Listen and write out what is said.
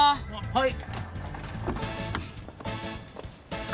はい！